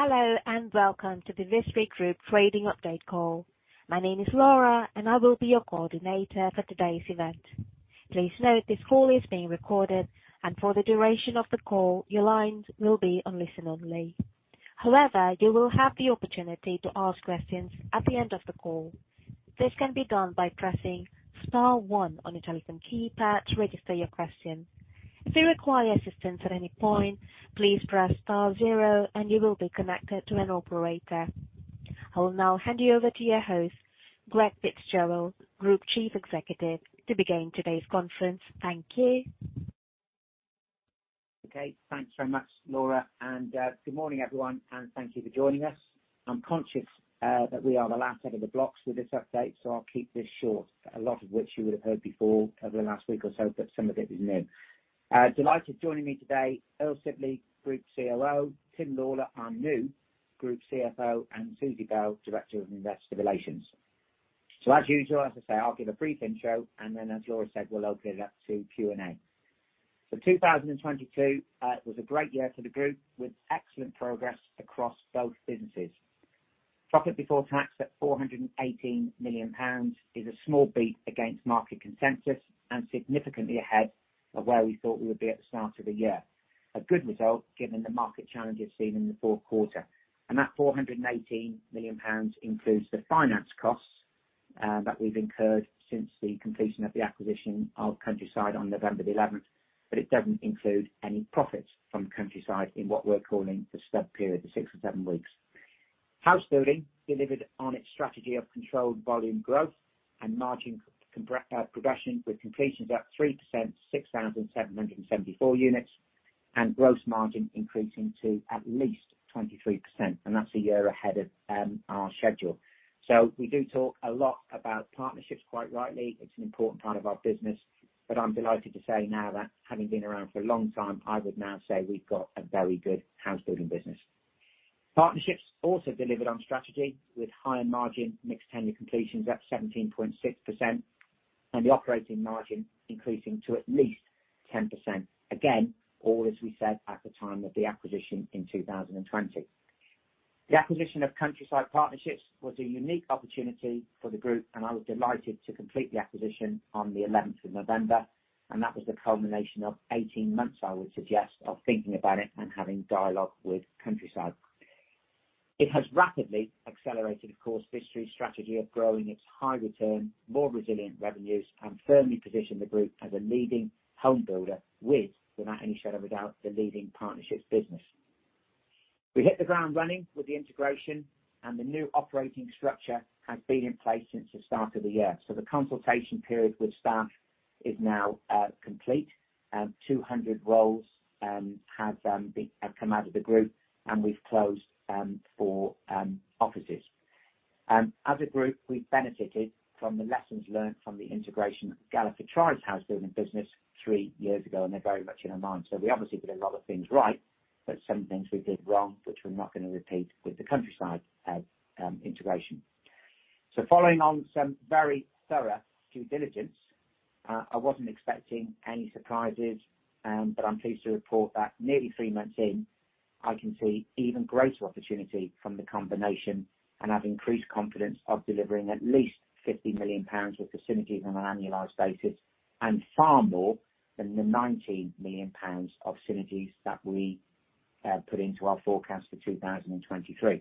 Hello, and welcome to the Vistry Group trading update call. My name is Laura, and I will be your coordinator for today's event. Please note, this call is being recorded, and for the duration of the call, your lines will be on listen-only. However, you will have the opportunity to ask questions at the end of the call. This can be done by pressing star one on your telephone keypad to register your question. If you require assistance at any point, please press star zero and you will be connected to an operator. I will now hand you over to your host, Greg Fitzgerald, Group Chief Executive, to begin today's conference. Thank you. Okay. Thanks very much, Laura, good morning, everyone, and thank you for joining us. I'm conscious that we are the last out of the blocks with this update, so I'll keep this short. A lot of which you would have heard before over the last week or so, but some of it is new. Delighted joining me today, Earl Sibley, Group COO, Tim Lawlor, our new Group CFO, and Susie Bell, Director of Investor Relations. As usual, as I say, I'll give a brief intro and then, as Laura said, we'll open it up to Q&A. 2022 was a great year for the group with excellent progress across both businesses. Profit before tax at 418 million pounds is a small beat against market consensus and significantly ahead of where we thought we would be at the start of the year. A good result given the market challenges seen in the Q4. That 418 million pounds includes the finance costs that we've incurred since the completion of the acquisition of Countryside on November 11, but it doesn't include any profits from Countryside in what we're calling the stub period, the six or seven weeks. Housebuilding delivered on its strategy of controlled volume growth and margin progression with completions up 3%, 6,774 units, and gross margin increasing to at least 23%, and that's a year ahead of our schedule. We do talk a lot about Partnerships, quite rightly. It's an important part of our business. I'm delighted to say now that having been around for a long time, I would now say we've got a very good housebuilding business. Partnerships also delivered on strategy with higher margin, mixed tenure completions up 17.6%, and the operating margin increasing to at least 10%. Again, all as we said at the time of the acquisition in 2020. The acquisition of Countryside Partnerships was a unique opportunity for the group, and I was delighted to complete the acquisition on the 11th of November, and that was the culmination of 18 months, I would suggest, of thinking about it and having dialogue with Countryside. It has rapidly accelerated, of course, Vistry's strategy of growing its high return, more resilient revenues, and firmly positioned the group as a leading home builder with, without any shadow of a doubt, the leading partnerships business. We hit the ground running with the integration. The new operating structure has been in place since the start of the year. The consultation period with staff is now complete. 200 roles have come out of the group, and we've closed four offices. As a group, we benefited from the lessons learned from the integration of Galliford Try's housebuilding business three years ago, and they're very much in our mind. We obviously did a lot of things right, but some things we did wrong, which we're not gonna repeat with the Countryside integration. Following on some very thorough due diligence, I wasn't expecting any surprises, but I'm pleased to report that nearly three months in, I can see even greater opportunity from the combination and have increased confidence of delivering at least 50 million pounds worth of synergies on an annualized basis, and far more than the 19 million pounds of synergies that we put into our forecast for 2023.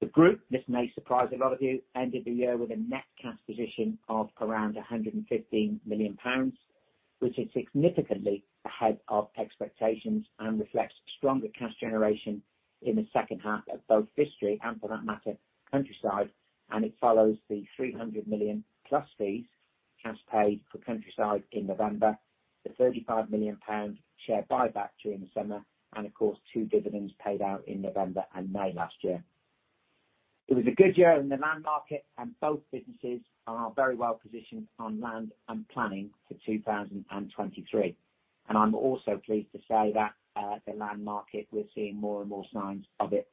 The group, this may surprise a lot of you, ended the year with a net cash position of around 115 million pounds, which is significantly ahead of expectations and reflects stronger cash generation in the H2 of both Vistry and for that matter, Countryside. It follows the 300 million plus fees, cash paid for Countryside in November, the 35 million pound share buyback during the summer, and of course, two dividends paid out in November and May last year. It was a good year in the land market and both businesses are very well positioned on land and planning for 2023. I'm also pleased to say that the land market, we're seeing more and more signs of it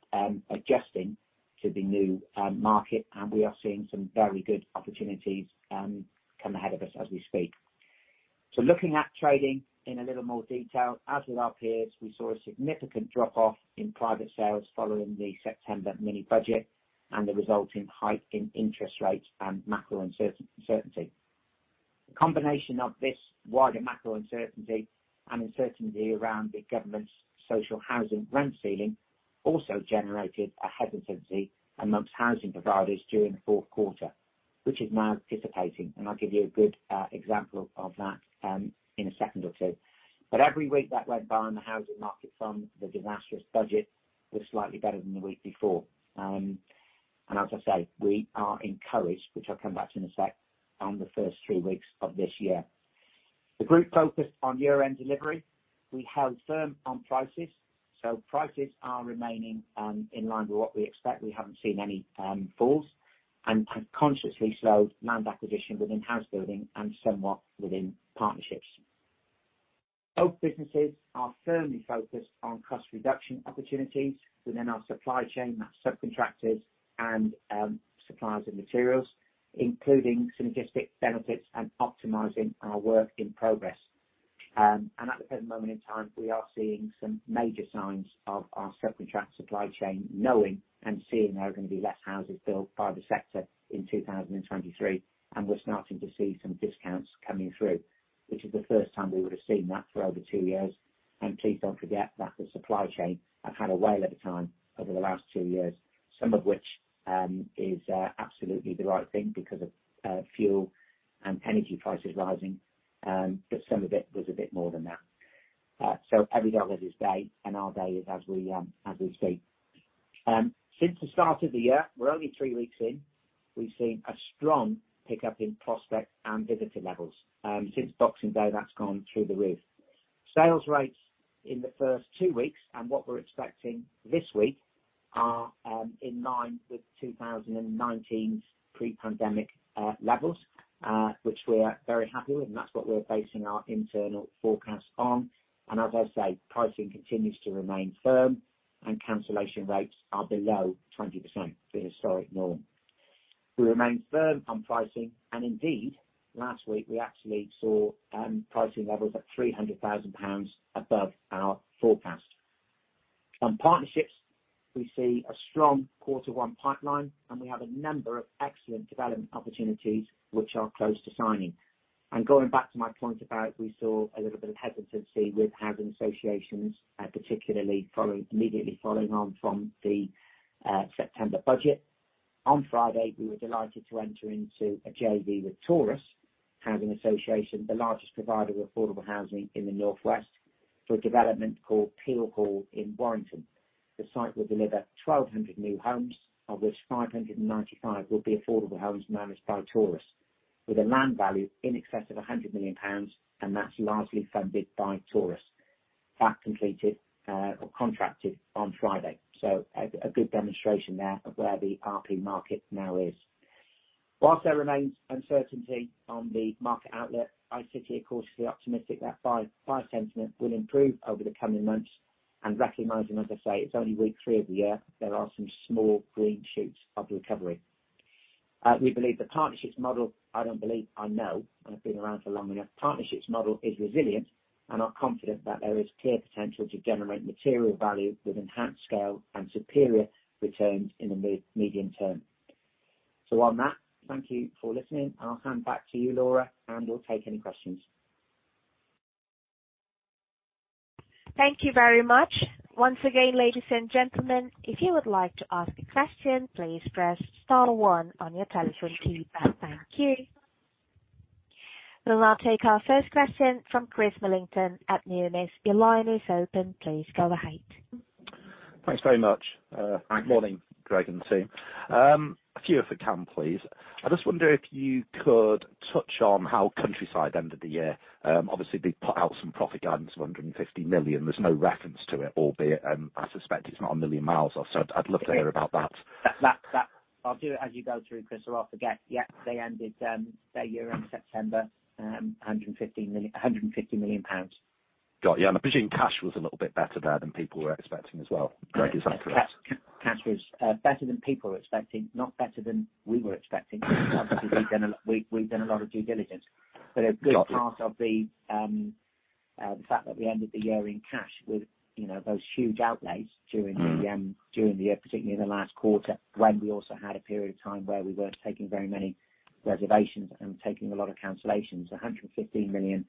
adjusting to the new market, and we are seeing some very good opportunities come ahead of us as we speak. Looking at trading in a little more detail, as with our peers, we saw a significant drop-off in private sales following the September mini budget and the resulting hike in interest rates and macro uncertainty. The combination of this wider macro uncertainty and uncertainty around the government's social housing rent ceiling also generated a hesitancy amongst housing providers during the Q4, which is now dissipating. I'll give you a good example of that in a second or two. Every week that went by on the housing market from the disastrous budget was slightly better than the week before. As I say, we are encouraged, which I'll come back to in a sec, on the first three weeks of this year. The group focused on year-end delivery. We held firm on prices are remaining in line with what we expect. We haven't seen any falls and consciously slowed land acquisition within Housebuilding and somewhat within Partnerships. Both businesses are firmly focused on cost reduction opportunities within our supply chain, that's subcontractors and suppliers of materials. Including synergistic benefits and optimizing our work in progress. At the present moment in time, we are seeing some major signs of our subcontract supply chain knowing and seeing there are gonna be less houses built by the sector in 2023, and we're starting to see some discounts coming through, which is the first time we would have seen that for over two years. Please don't forget that the supply chain have had a whale of a time over the last two years, some of which is absolutely the right thing because of fuel and energy prices rising, but some of it was a bit more than that. Every dog has his day, and our day is as we as we speak. Since the start of the year, we're only three weeks in, we've seen a strong pickup in prospects and visitor levels. Since Boxing Day, that's gone through the roof. Sales rates in the first two weeks and what we're expecting this week are in line with 2019's pre-pandemic levels, which we are very happy with, and that's what we're basing our internal forecast on. As I say, pricing continues to remain firm and cancellation rates are below 20%, the historic norm. We remain firm on pricing, and indeed, last week, we actually saw pricing levels at 300,000 pounds above our forecast. On partnerships, we see a strong quarter one pipeline. We have a number of excellent development opportunities which are close to signing. Going back to my point about we saw a little bit of hesitancy with housing associations, particularly immediately following on from the September budget. On Friday, we were delighted to enter into a JV with Torus Housing Association, the largest provider of affordable housing in the Northwest, for a development called Peel Hall in Warrington. The site will deliver 1,200 new homes, of which 595 will be affordable homes managed by Torus, with a land value in excess of 100 million pounds. That's largely funded by Torus. That completed or contracted on Friday. A good demonstration there of where the RP market now is. Whilst there remains uncertainty on the market outlet, I sit here cautiously optimistic that buy sentiment will improve over the coming months. Recognizing, as I say, it's only week three of the year, there are some small green shoots of recovery. I don't believe, I know, and I've been around for long enough, partnerships model is resilient and are confident that there is clear potential to generate material value with enhanced scale and superior returns in the mid-medium term. On that, thank you for listening. I'll hand back to you, Laura. We'll take any questions. Thank you very much. Once again, ladies and gentlemen, if you would like to ask a question, please press star one on your telephone keypad. Thank you. We will now take our first question from Chris Millington at Numis. Your line is open. Please go ahead. Thanks very much. Hi. Morning, Greg and team. A few if I can, please. I just wonder if you could touch on how Countryside ended the year? Obviously, they put out some profit guidance of 150 million. There's no reference to it, albeit, I suspect it's not a million miles off. I'd love to hear about that. That, I'll do it as you go through, Chris, or I'll forget. Yeah, they ended their year in September, 150 million pounds. Gotcha. I'm assuming cash was a little bit better there than people were expecting as well. Greg, is that correct? Cash was better than people were expecting, not better than we were expecting. Obviously we've done a lot of due diligence. Got it. A good part of the fact that we ended the year in cash with, you know, those huge outlays during the year, particularly in the last quarter, when we also had a period of time where we weren't taking very many reservations and taking a lot of cancellations. 115 million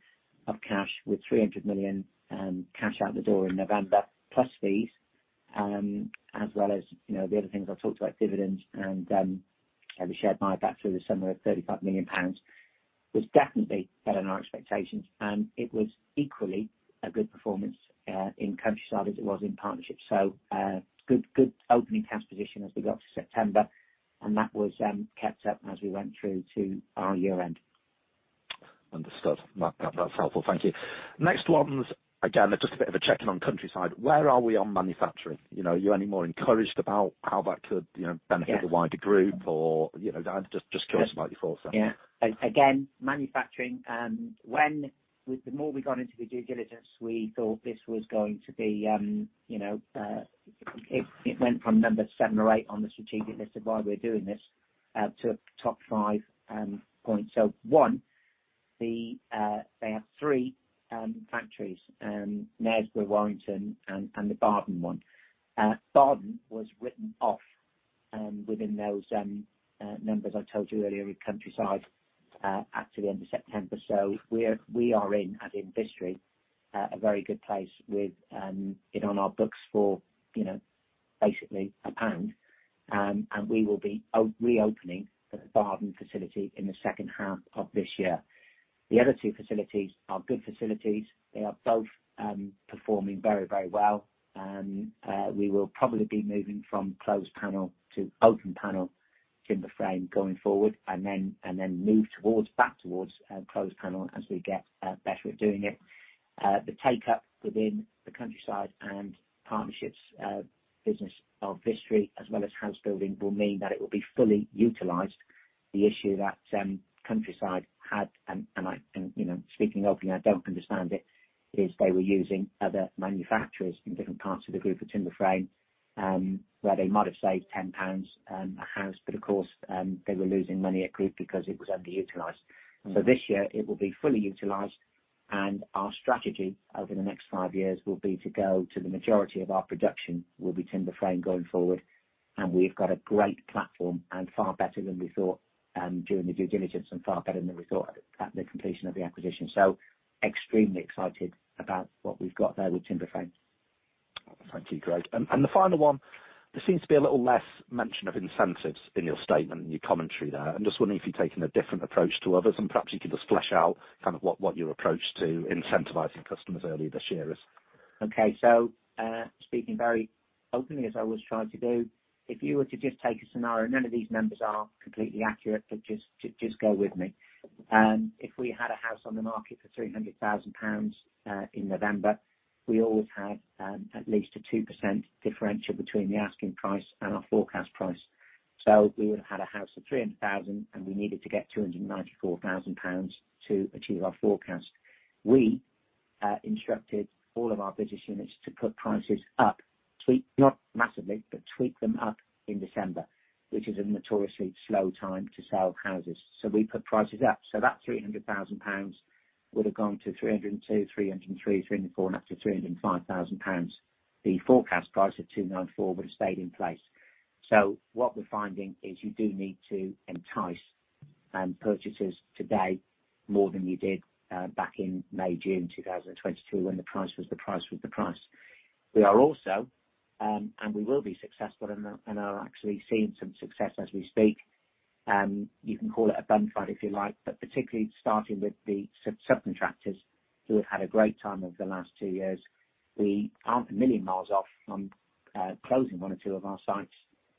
of cash with 300 million cash out the door in November, plus fees, as well as, you know, the other things I talked about, dividends and the shared buyback through the summer of 35 million pounds, was definitely better than our expectations. It was equally a good performance in Countryside Partnerships as it was in Vistry Partnerships. A good opening cash position as we got to September, and that was kept up as we went through to our year end. Understood. That's helpful. Thank you. Next one's, again, just a bit of a check-in on Countryside. Where are we on manufacturing? You know, are you any more encouraged about how that could? Yeah. Benefit the wider group? You know, I'm just curious about your thoughts there. Yeah. Again, manufacturing, when the more we got into the due diligence, we thought this was going to be, you know, it went from seven or eight on the strategic list of why we're doing this, to top five points. One, the, they have three factories, Knaresborough, Warrington, and the Barton one. Barton was written off within those numbers I told you earlier with Countryside at the end of September. We are in, at Vistry, a very good place with it on our books for, you know, basically GBP 1. We will be reopening the Barton facility in the H2 of this year. The other two facilities are good facilities. They are both performing very, very well. We will probably be moving from closed panel to open panel timber frame going forward and then back towards closed panel as we get better at doing it. The take-up within the Countryside Partnerships business of Vistry, as well as house building, will mean that it will be fully utilized. The issue that Countryside had, and I, you know, speaking openly, I don't understand it, is they were using other manufacturers in different parts of the group for timber frame, where they might have saved 10 pounds a house, but of course, they were losing money at group because it was underutilized. Mm-hmm. This year it will be fully utilized. Our strategy over the next five years will be to go to the majority of our production will be timber frame going forward. We've got a great platform and far better than we thought during the due diligence and far better than we thought at the completion of the acquisition. Extremely excited about what we've got there with timber frame. Thank you, Greg. The final one, there seems to be a little less mention of incentives in your statement, in your commentary there. I'm just wondering if you've taken a different approach to others, and perhaps you could just flesh out kind of what your approach to incentivizing customers early this year is. Okay. Speaking very openly, as I always try to do, if you were to just take a scenario, none of these numbers are completely accurate, but just go with me. If we had a house on the market for 300,000 pounds in November, we always had at least a 2% differential between the asking price and our forecast price. We would have had a house for 300,000, and we needed to get 294,000 pounds to achieve our forecast. We instructed all of our business units to put prices up. Not massively, but tweak them up in December, which is a notoriously slow time to sell houses. We put prices up. That 300,000 pounds would have gone to 302,000, 303,000, 304,000, and up to 305,000 pounds. The forecast price of 294,000 would have stayed in place. What we're finding is you do need to entice purchasers today more than you did back in May, June 2022, when the price was the price. We are also, and we will be successful and are actually seeing some success as we speak. You can call it a bun fight if you like, but particularly starting with the sub-subcontractors who have had a great time over the last two years. We aren't a million miles off on closing one or two of our sites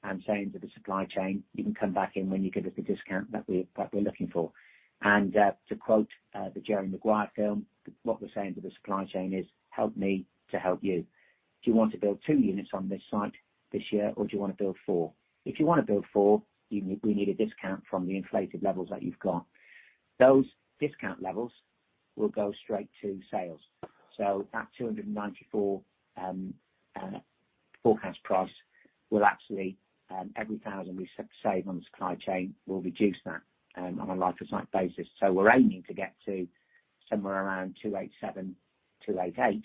and saying to the supply chain, "You can come back in when you give us a discount that we're looking for." To quote the Jerry Maguire film, what we're saying to the supply chain is, "Help me to help you. Do you want to build two units on this site this year, or do you want to build four? If you want to build four, we need a discount from the inflated levels that you've got." Those discount levels will go straight to sales. That 294 forecast price will actually every 1,000 we save on the supply chain, we'll reduce that on a life of site basis. We're aiming to get to somewhere around 287, 288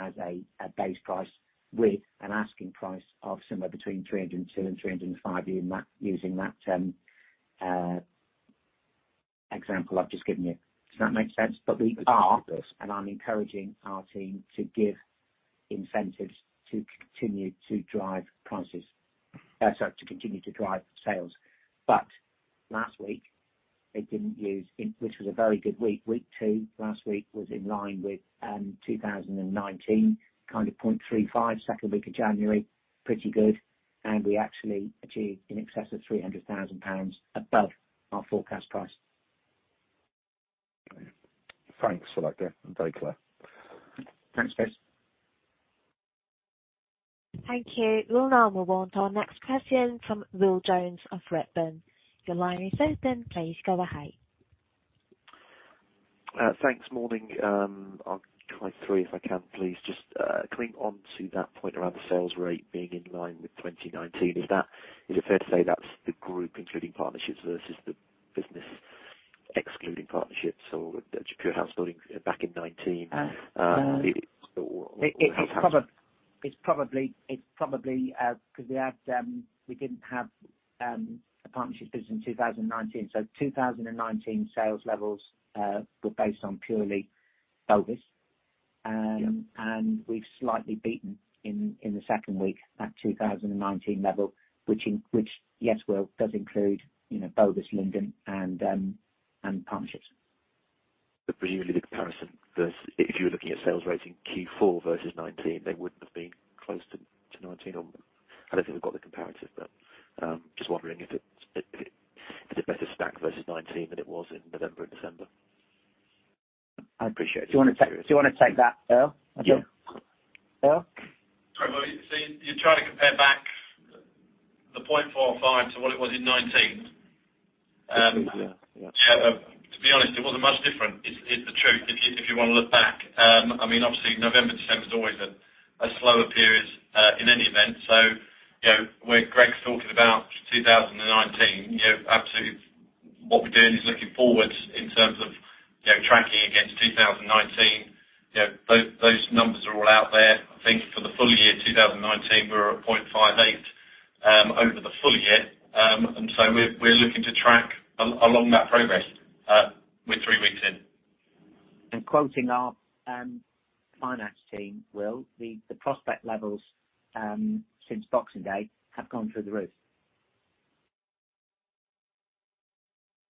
as a base price with an asking price of somewhere between 302 and 305 using that example I've just given you. Does that make sense? It does. We are, and I'm encouraging our team to give incentives to continue to drive sales. Last week, which was a very good week. Week two last week was in line with 2019, kind of 0.35, second week of January, pretty good. We actually achieved in excess of 300,000 pounds above our forecast price. Thanks for that, Greg. Very clear. Thanks, Chris. Thank you. We'll now move on to our next question from Will Jones of Redburn. Your line is open. Please go ahead. Thanks. Morning. I'll try three if I can, please. Just coming on to that point around the sales rate being in line with 2019, is it fair to say that's the Group, including Partnerships versus the business excluding Partnerships or just pure housebuilding back in 2019? It's probably, 'cause we had we didn't have a partnerships business in 2019. 2019 sales levels were based on purely Bovis. Yeah. We've slightly beaten in the second week that 2019 level, which, yes, Will, does include, you know, Bovis, Linden and partnerships. Presumably the comparison versus if you were looking at sales rates in Q4 versus 2019, they wouldn't have been close to 2019. I don't think we've got the comparative, but just wondering if it's, if it better stacked versus 2019 than it was in November and December. I appreciate it. Do you wanna take that, Earl? Yeah. Earl? Sorry, you're trying to compare back the 0.45 to what it was in 2019. Yeah. Yeah. To be honest, it wasn't much different is the truth if you wanna look back. I mean, obviously November, December is always a slower period in any event. You know, where Greg's talking about 2019, you know, absolutely what we're doing is looking forward in terms of, you know, tracking against 2019. You know, those numbers are all out there. I think for the full year, 2019, we were at 0.58 over the full year. We're looking to track along that progress with three weeks in. Quoting our finance team, Will, the prospect levels since Boxing Day have gone through the roof.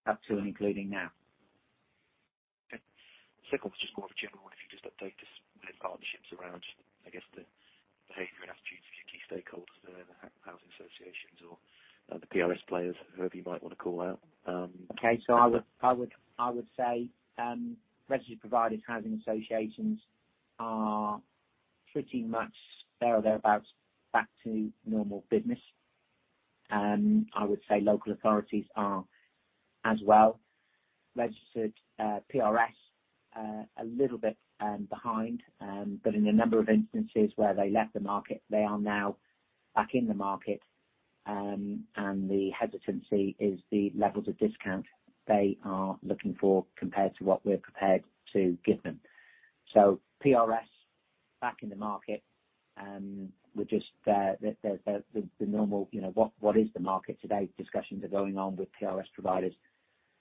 Up to and including now? Okay. Second was just more of a general one. If you could just update us with partnerships around, I guess, the behavior and attitudes of your key stakeholders, the housing associations or the PRS players, whoever you might wanna call out. Okay. I would say registered providers, housing associations are pretty much there or thereabouts back to normal business. I would say local authorities are as well. Registered, PRS, a little bit behind, but in a number of instances where they left the market, they are now back in the market. The hesitancy is the levels of discount they are looking for compared to what we're prepared to give them. PRS back in the market, we're just the normal, you know what is the market today? Discussions are going on with PRS providers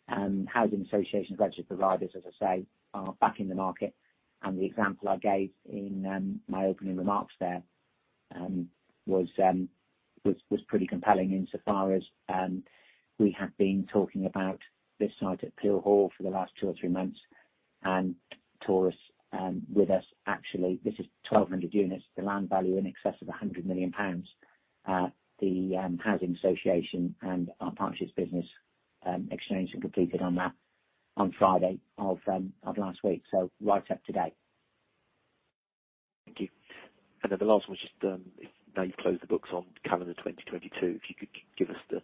and housing associations. Registered providers, as I say, are back in the market. The example I gave in my opening remarks there was pretty compelling in so far as we have been talking about this site at Peel Hall for the last two or three months and Torus with us. Actually, this is 1,200 units, the land value in excess of 100 million pounds. The housing association and our partnerships business exchanged and completed on that on Friday of last week. Right up to date. Thank you. The last one was just, now you've closed the books on calendar 2022, if you could give us the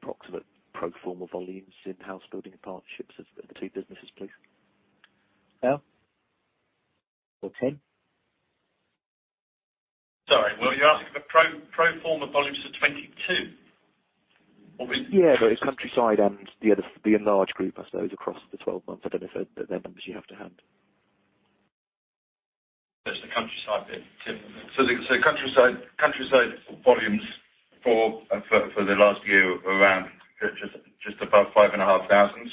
approximate pro forma volumes in Housebuilding and Partnerships, the two businesses, please. Now? Or Ken? Sorry. Well, you're asking for pro forma volumes for 2022? Yeah, but it's countryside and the enlarge group, I suppose, across the 12 months. I don't know if they're numbers you have to hand. Just the countryside bit, Tim. Countryside volumes for the last year were around just above 5,500. Great.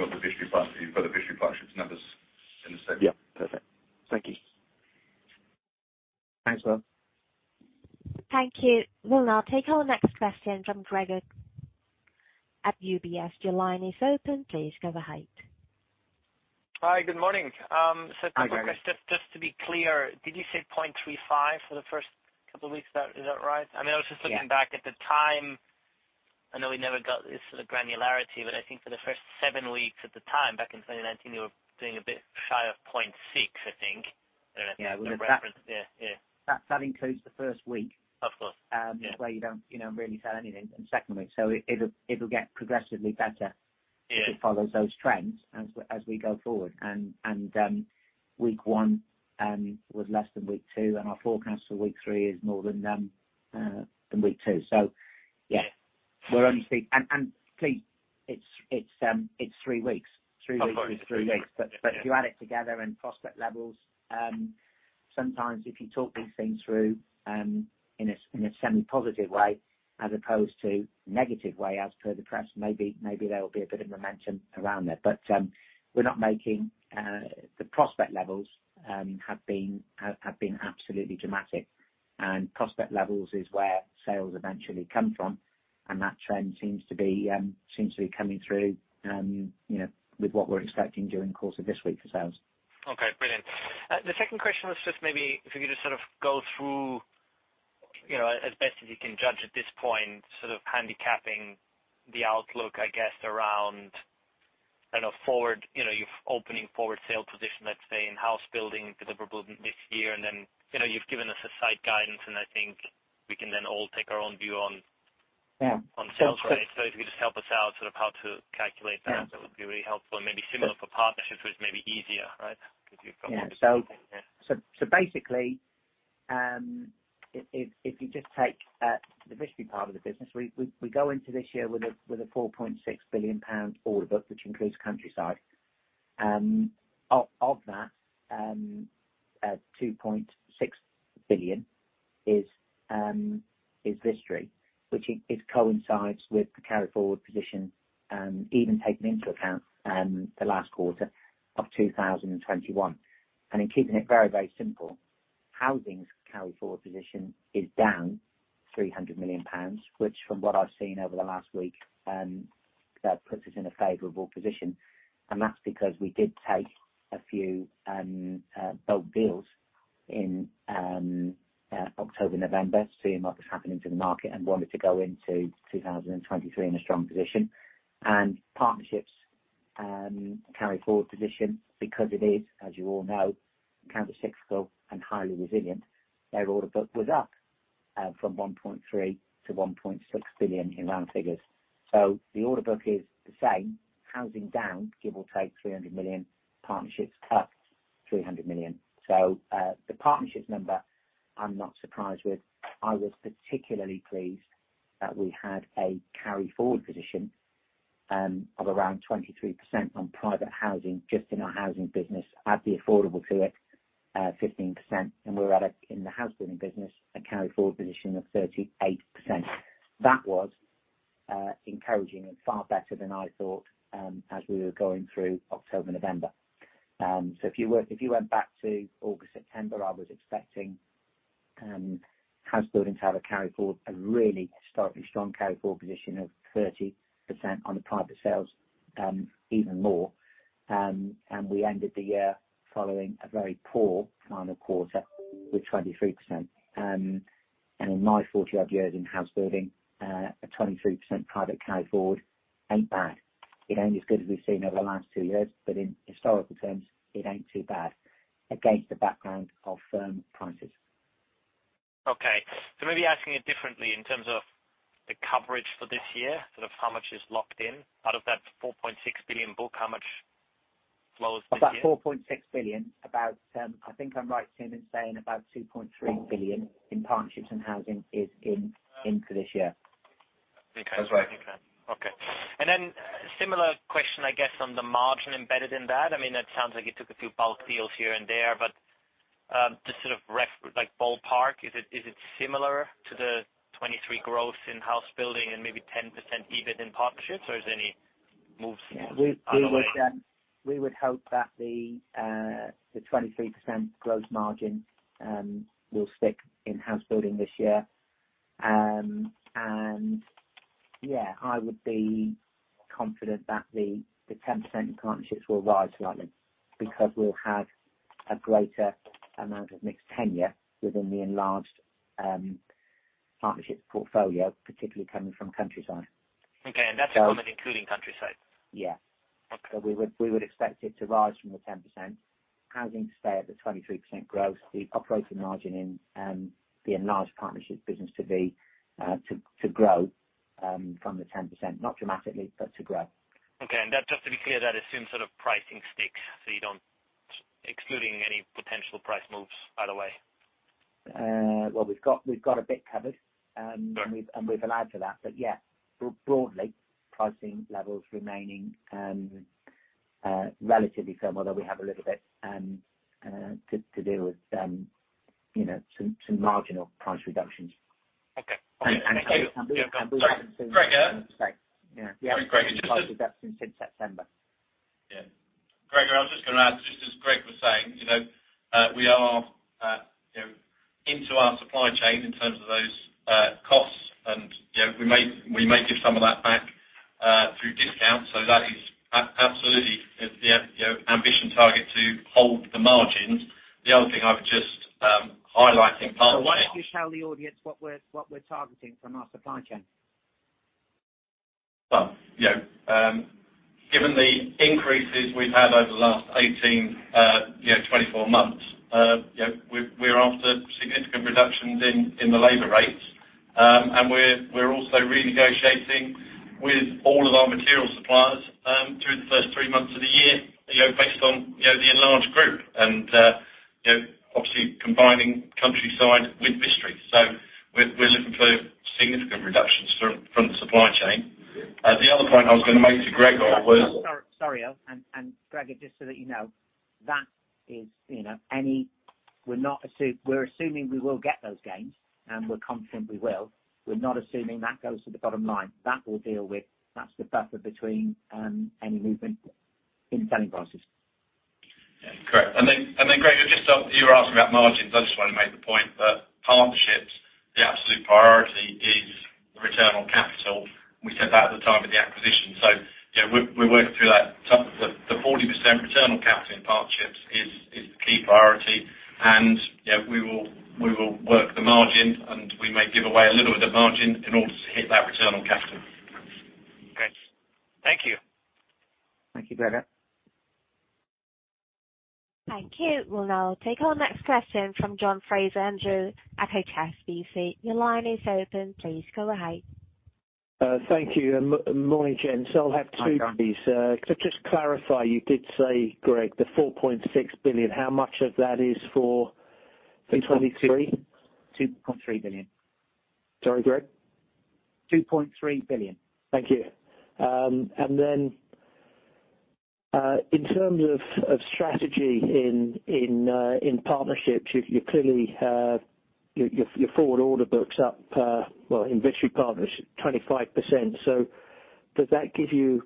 You've got the Vistry Partnerships numbers in a second. Yeah. Perfect. Thank you. Thanks, Will. Thank you. We'll now take our next questio-n from Greg at UBS. Your line is open. Please go ahead. Hi. Good morning. Hi, Greg. Just to be clear, did you say 0.35 for the first couple of weeks? Is that right? I mean, I was just looking back at the time. I know we never got this sort of granularity, I think for the first seven weeks at the time, back in 2019, you were doing a bit shy of 0.6, I think. I don't know if that's a reference. Yeah. Well. Yeah, yeah. That includes the first week. Of course. where you don't, you know, really sell anything in the second week. it'll get progressively better. Yeah. If it follows those trends as we go forward. Week one was less than week two, and our forecast for week three is more than week two. Yeah, we're only speak. Please, it's three weeks. three weeks is three weeks. Of course. Yeah. If you add it together and prospect levels, sometimes if you talk these things through, in a semi-positive way as opposed to negative way as per the press, maybe there will be a bit of momentum around it. We're not making, the prospect levels have been absolutely dramatic. Prospect levels is where sales eventually come from. That trend seems to be, seems to be coming through, you know, with what we're expecting during the course of this week for sales. Okay, brilliant. The second question was just maybe if you could just sort of go through, you know, as best as you can judge at this point, sort of handicapping the outlook, I guess, around kind of forward, you know, you've opening forward sales position, let's say, in house building deliverable this year. Then, you know, you've given us a site guidance, and I think we can then all take our own view on. Yeah. On sales, right? If you could just help us out sort of how to calculate that? Yeah. That would be really helpful. Maybe similar for partnerships, which may be easier, right? Because you've got Yeah. Basically, if you just take the Vistry part of the business, we go into this year with a 4.6 billion pound order book, which includes Countryside. Of that, 2.6 billion is Vistry, which coincides with the carry forward position, even taking into account the last quarter of 2021. In keeping it very simple, housing's carry forward position is down 300 million pounds, which from what I've seen over the last week, that puts us in a favorable position. That's because we did take a few bold deals in October, November, seeing what was happening to the market and wanted to go into 2023 in a strong position. Partnerships carry forward position because it is, as you all know, countercyclical and highly resilient. Their order book was up from 1.3 billion-1.6 billion in round figures. The order book is the same, housing down, give or take 300 million, partnerships up 300 million. The partnerships number I'm not surprised with. I was particularly pleased that we had a carry forward position of around 23% on private housing just in our housing business. Add the affordable to it, 15% and we're at a, in the housebuilding business, a carry forward position of 38%. That was encouraging and far better than I thought as we were going through October, November. If you went back to August, September, I was expecting housebuildings have a carry forward, a really historically strong carry forward position of 30% on the private sales, even more. We ended the year following a very poor final quarter with 23%. In my 40 odd years in housebuilding, a 23% private carry forward ain't bad. It ain't as good as we've seen over the last two years, but in historical terms, it ain't too bad against the background of firm prices. Okay. Maybe asking it differently in terms of the coverage for this year, sort of how much is locked in out of that 4.6 billion book, how much flow is this year? Of that 4.6 billion, about, I think I'm right in saying about 2.3 billion in partnerships and housing is in for this year. Okay. That's right. Okay. Similar question, I guess, on the margin embedded in that. I mean, it sounds like you took a few bulk deals here and there, but, like ballpark, is it similar to the 23 growth in house building and maybe 10% EBIT in partnerships, or is any moves. We would hope that the 23% growth margin will stick in housebuilding this year. Yeah, I would be confident that the 10% in Partnerships will rise slightly because we'll have a greater amount of mixed tenure within the enlarged Partnerships portfolio, particularly coming from Countryside. Okay. That's including Countryside? Yeah. Okay. We would expect it to rise from the 10%, housing to stay at the 23% growth, the operating margin in the enlarged partnerships business to be to grow from the 10%, not dramatically, but to grow. Okay. That, just to be clear, that assumes sort of pricing sticks. Excluding any potential price moves either way. Well, we've got a bit covered. Sure. We've allowed for that. Yeah, broadly, pricing levels remaining relatively firm, although we have a little bit to deal with, you know, some marginal price reductions. Okay. And, and. Greg. Sorry. Yeah. Greg, just to. Since September. Yeah. Greg, I was just gonna add, just as Greg was saying, you know, we are, you know, into our supply chain in terms of those costs and, you know, we may give some of that back through discounts. That is absolutely the, you know, ambition target to hold the margins. The other thing I would just highlight in partnership Why don't you tell the audience what we're targeting from our supply chain? Well, yeah. Given the increases we've had over the last 18, you know, 24 months, you know, we're after significant reductions in the labor rates. We're also renegotiating with all of our material suppliers, through the three months of the year, you know, based on, you know, the enlarged group and, you know, obviously combining Countryside with Vistry. We're looking for significant reductions from the supply chain. The other point I was gonna make to Greg was. Sorry, Earl. Greg, just so that you know, that is, you know, We're assuming we will get those gains, and we're confident we will. We're not assuming that goes to the bottom line. That we'll deal with. That's the buffer between any movement in selling prices. Yeah. Correct. Greg, just, you were asking about margins. I just wanna make the point that partnerships, the absolute priority is the return on capital. We said that at the time of the acquisition. You know, we're working through that. The 40% return on capital in partnerships is the key priority. You know, we will work the margin, and we may give away a little of the margin in order to hit that return on capital. Okay. Thank you. Thank you, Greg. Thank you. We'll now take our next question from John Fraser-Andrews at HSBC. Your line is open. Please go ahead. Thank you. Morning, gents. I'll have two please. Hi, John. Could you just clarify, you did say, Greg, the 4.6 billion, how much of that is for 2023? 2.3 billion. Sorry, Greg? 2.3 billion. Thank you. Then, in terms of strategy in partnerships, you clearly have your forward order books up, well, in Vistry Partners, 25%. Does that give you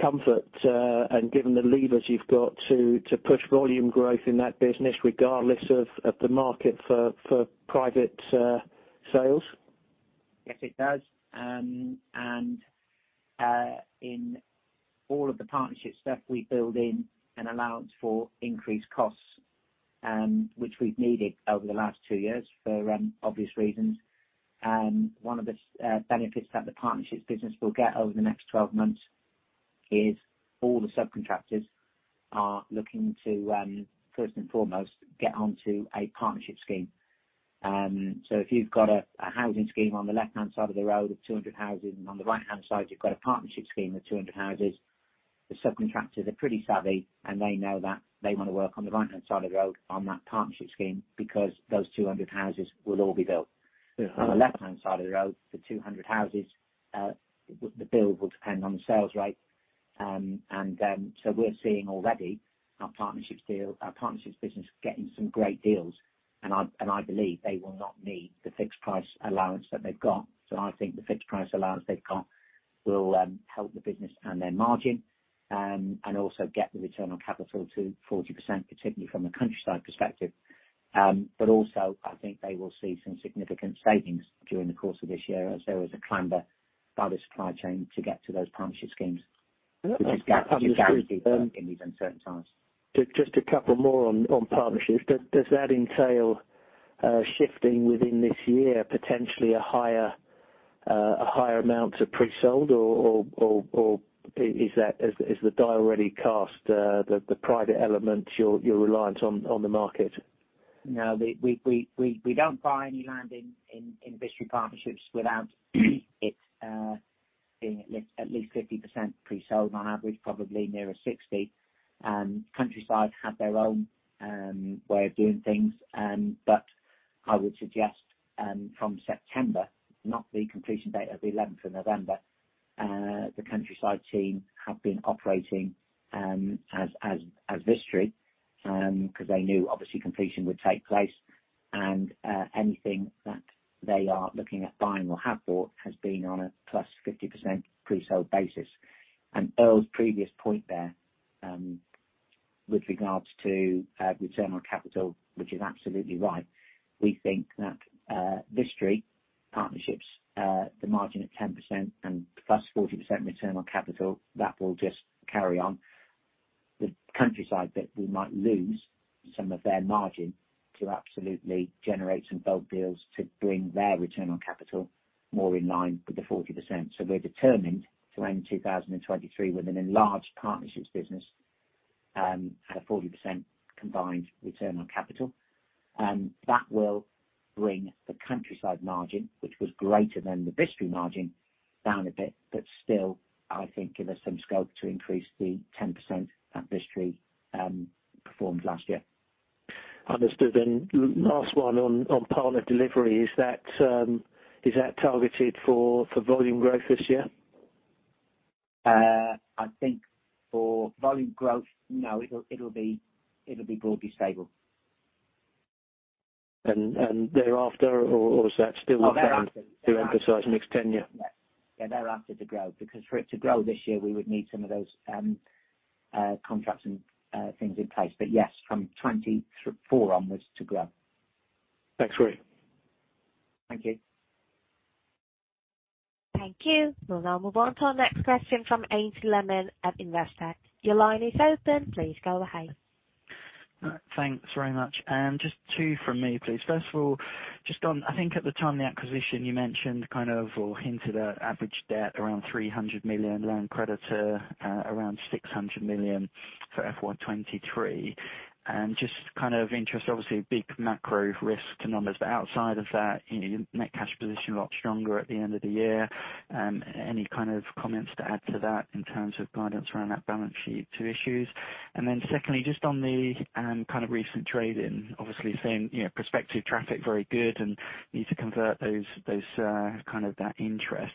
comfort, and given the levers you've got to push volume growth in that business regardless of the market for private sales? Yes, it does. In all of the partnerships stuff, we build in an allowance for increased costs, which we've needed over the last two years for obvious reasons. One of the benefits that the partnerships business will get over the next 12 months is all the subcontractors are looking to first and foremost, get onto a partnership scheme. If you've got a housing scheme on the left-hand side of the road of 200 houses, and on the right-hand side you've got a partnership scheme with 200 houses, the subcontractors are pretty savvy, and they know that they wanna work on the right-hand side of the road on that partnership scheme because those 200 houses will all be built. Mm-hmm. On the left-hand side of the road, the 200 houses, the build will depend on the sales rate. And so we're seeing already our partnerships deal, our partnerships business getting some great deals. I believe they will not need the fixed price allowance that they've got. I think the fixed price allowance they've got will help the business and their margin, and also get the return on capital to 40%, particularly from a Countryside perspective. Also, I think they will see some significant savings during the course of this year as there is a clamber by the supply chain to get to those partnership schemes. Just a couple more on partnerships. Does that entail shifting within this year potentially a higher amount of pre-sold or is that, is the die already cast, the private element, your reliance on the market? No, we don't buy any land in Vistry Partnerships without it being at least 50% pre-sold on average, probably nearer 60%. Countryside have their own way of doing things. I would suggest from September, not the completion date of the 11th of November, the Countryside team have been operating as Vistry, 'cause they knew obviously completion would take place and anything that they are looking at buying or have bought has been on a +50% pre-sold basis. Earl's previous point there with regards to return on capital, which is absolutely right, we think that Vistry Partnerships, the margin at 10% and +40% return on capital, that will just carry on. The Countryside bit, we might lose some of their margin to absolutely generate some bold deals to bring their return on capital more in line with the 40%. We're determined to end 2023 with an enlarged partnerships business at a 40% combined return on capital. That will bring the Countryside margin, which was greater than the Vistry margin, down a bit, but still, I think give us some scope to increase the 10% that Vistry performed last year. Understood. Last one on Part L delivery. Is that targeted for volume growth this year? I think for volume growth, no, it'll be broadly stable. Thereafter or is that still? Oh, thereafter. To emphasize next 10 year? Yeah, thereafter to grow, because for it to grow this year, we would need some of those, contracts and, things in place. Yes, from 2024 onwards to grow. Thanks, Greg. Thank you. Thank you. We'll now move on to our next question from Aynsley Lammin at Investec. Your line is open. Please go ahead. Thanks very much. Just two from me, please. First of all, just on, I think at the time of the acquisition you mentioned kind of or hinted at average debt around 300 million, loan creditor, around 600 million for FY 2023. Just kind of interest, obviously a big macro risk to numbers. Outside of that, net cash position a lot stronger at the end of the year. Any kind of comments to add to that in terms of guidance around that balance sheet to issues? Secondly, just on the kind of recent trade in, obviously saying, you know, prospective traffic very good and need to convert those kind of that interest.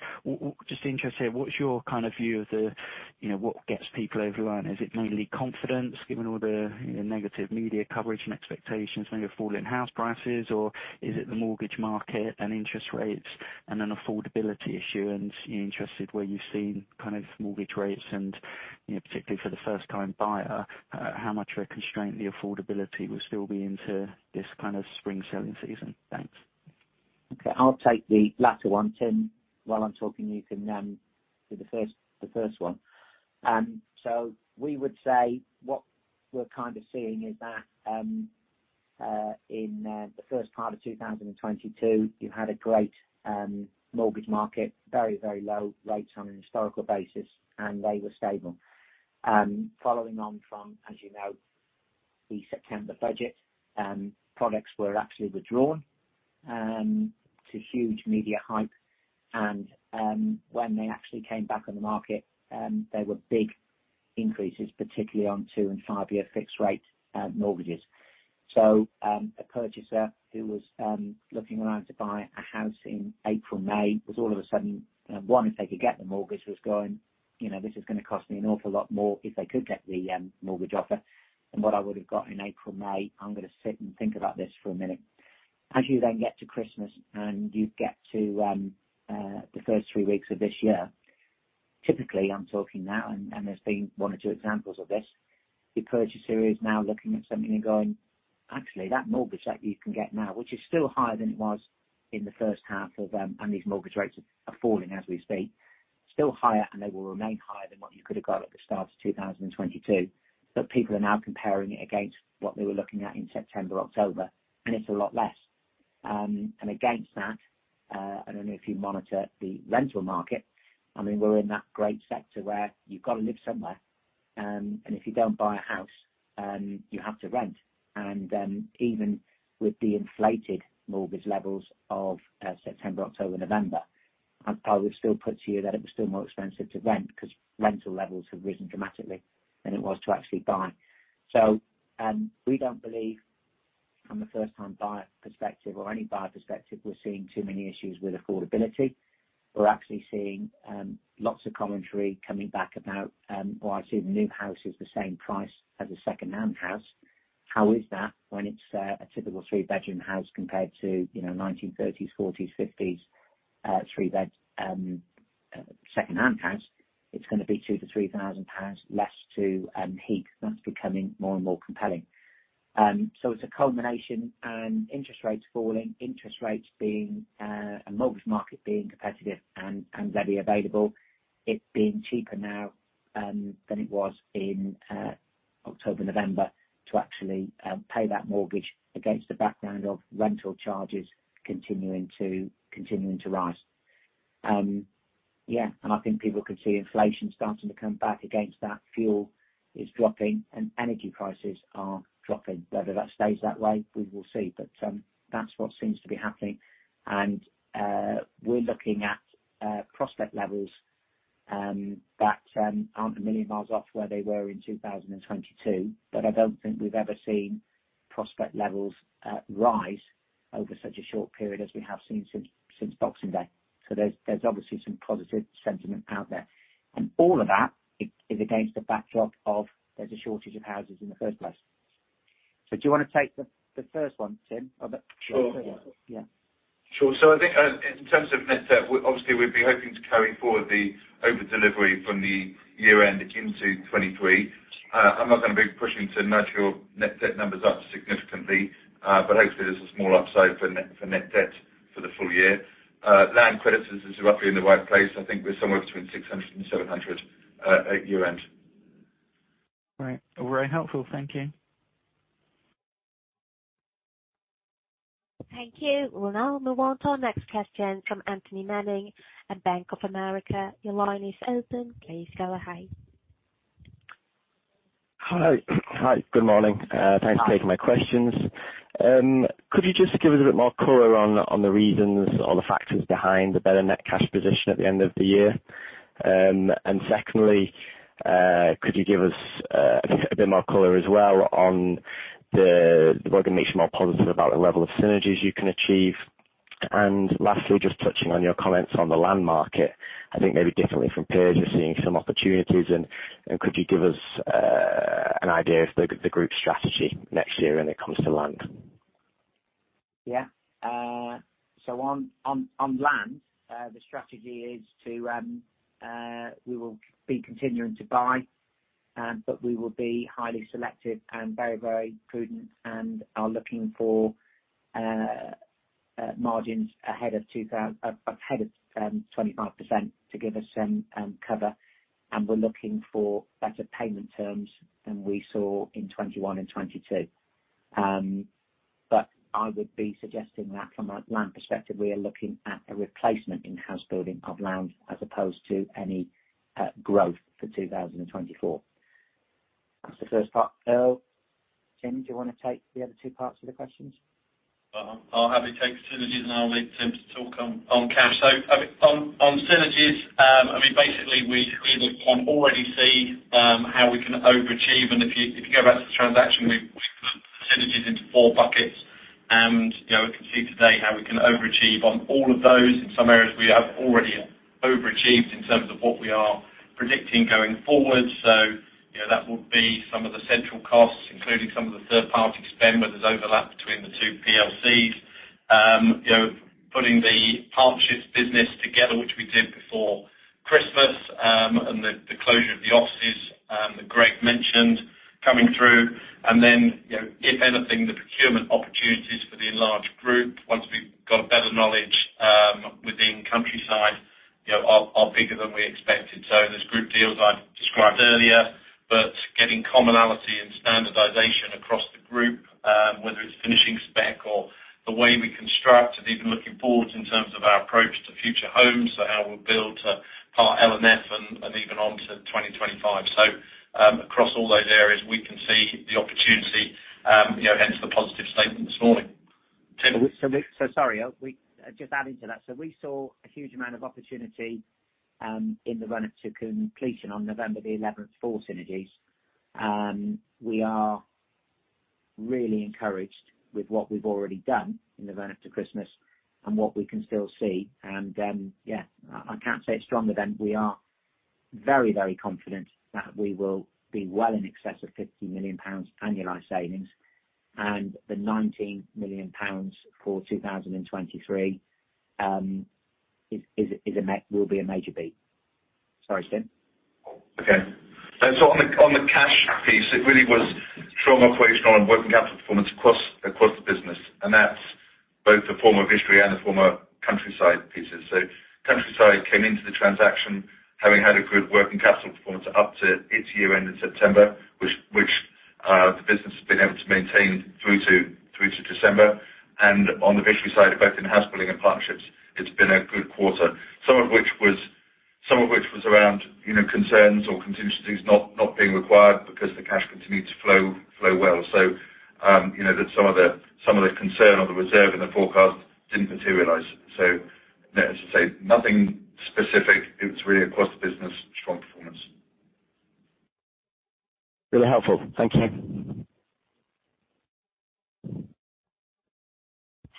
Just interested, what's your kind of view of the, you know, what gets people over the line? Is it mainly confidence given all the negative media coverage and expectations, maybe a fall in house prices? Or is it the mortgage market and interest rates and an affordability issue? You know, interested where you've seen kind of mortgage rates and, you know, particularly for the first time buyer, how much of a constraint the affordability will still be into this kind of spring selling season? Thanks. Okay, I'll take the latter one. Tim, while I'm talking, you can do the first one. So we would say what we're kind of seeing is that in the first part of 2022, you had a great mortgage market, very low rates on a historical basis, and they were stable. Following on from, as you know, the September budget, products were actually withdrawn to huge media hype. When they actually came back on the market, there were big increases, particularly on two and five year fixed rate mortgages. A purchaser who was looking around to buy a house in April, May, was all of a sudden, one, if they could get the mortgage, was going, "You know, this is gonna cost me an awful lot more if they could get the mortgage offer than what I would have got in April, May. I'm gonna sit and think about this for a minute." You then get to Christmas and you get to the first three weeks of this year, typically, I'm talking now and there's been one or two examples of this, the purchaser is now looking at something and going, "Actually, that mortgage that you can get now," which is still higher than it was in the H1. These mortgage rates are falling as we speak, still higher, and they will remain higher than what you could have got at the start of 2022. People are now comparing it against what they were looking at in September, October, and it's a lot less. Against that, I don't know if you monitor the rental market. I mean, we're in that great sector where you've got to live somewhere, and if you don't buy a house, you have to rent. Even with the inflated mortgage levels of September, October, November, I would still put to you that it was still more expensive to rent because rental levels have risen dramatically than it was to actually buy. We don't believe from a first time buyer perspective or any buyer perspective, we're seeing too many issues with affordability. We're actually seeing lots of commentary coming back about, well, I see the new house is the same price as a second-hand house. How is that when it's a typical three-bedroom house compared to, you know, 1930s, 1940s, 1950s, three bed second-hand house, it's gonna be 2,000-3,000 pounds less to heat. That's becoming more and more compelling. It's a combination, interest rates falling, interest rates being a mortgage market being competitive and readily available. It being cheaper now than it was in October, November to actually pay that mortgage against the background of rental charges continuing to rise. I think people can see inflation starting to come back against that. Fuel is dropping and energy prices are dropping. Whether that stays that way, we will see. That's what seems to be happening. We're looking at prospect levels that aren't a million miles off where they were in 2022. I don't think we've ever seen prospect levels rise over such a short period as we have seen since Boxing Day. There's obviously some positive sentiment out there. All of that is against the backdrop of there's a shortage of houses in the first place. Do you wanna take the first one, Tim? Sure. Yeah. Sure. I think, in terms of net debt, obviously, we'd be hoping to carry forward the over delivery from the year end into 2023. I'm not gonna be pushing to nudge your net debt numbers up significantly. Hopefully, there's a small upside for net debt for the full year. Land credits is roughly in the right place. I think we're somewhere between 600-700 at year-end. All right. Very helpful. Thank you. Thank you. We'll now move on to our next question from Anthony Manning at Bank of America. Your line is open. Please go ahead. Hi. Hi, good morning. Thanks for taking my questions. Could you just give us a bit more color on the reasons or the factors behind the better net cash position at the end of the year? Secondly, could you give us a bit more color as well on the, what makes you more positive about the level of synergies you can achieve? Lastly, just touching on your comments on the land market. I think maybe differently from peers, you're seeing some opportunities and could you give us an idea of the group strategy next year when it comes to land? Yeah. On, on land, the strategy is to, we will be continuing to buy, but we will be highly selective and very, very prudent and are looking for margins ahead of 25% to give us some cover, and we're looking for better payment terms than we saw in 2021 and 2022. I would be suggesting that from a land perspective, we are looking at a replacement in house building of land as opposed to any growth for 2024. That's the first part. Earl, Tim, do you wanna take the other two parts of the questions? I'll happily take synergies, I'll leave Tim to talk on cash. On synergies, I mean, basically we can already see how we can overachieve. If you go back to the transaction, we've put synergies into four buckets. You know, we can see today how we can overachieve on all of those. In some areas, we have already overachieved in terms of what we are predicting going forward. You know, that would be some of the central costs, including some of the third party spend, where there's overlap between the two PLCs. You know, putting the partnerships business together, which we did before Christmas, and the closure of the offices that Greg mentioned coming through. You know, if anything, the procurement opportunities for the enlarged group, once we've got a better knowledge, within Countryside, you know, are bigger than we expected. There's group deals I've described earlier. Getting commonality and standardization across the group, whether it's finishing spec or the way we construct and even looking forward in terms of our approach to Future Homes. How we'll build to Part L and F and even on to 2025. Across all those areas we can see the opportunity, you know, hence the positive statement this morning. Tim? Sorry, Earl. Just adding to that. We saw a huge amount of opportunity in the run-up to completion on November 11th for synergies. We are really encouraged with what we've already done in the run-up to Christmas and what we can still see. Yeah, I can't say it stronger than we are very, very confident that we will be well in excess of 50 million pounds annualized savings, and the 19 million pounds for 2023 is a major beat. Sorry, Tim. On the cash piece, it really was strong operational and working capital performance across the business. That's both the former Vistry and the former Countryside pieces. Countryside came into the transaction, having had a good working capital performance up to its year end in September, which the business has been able to maintain through to December. On the Vistry side, both in housebuilding and Partnerships, it's been a good quarter. Some of which was around, you know, concerns or contingencies not being required because the cash continued to flow well. You know, that some of the concern or the reserve in the forecast didn't materialize. As I say, nothing specific, it was really across the business, strong performance. Really helpful. Thank you.